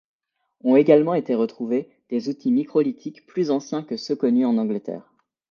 Ont également été retrouvés des outils microlithiques plus anciens que ceux connus en Angleterre.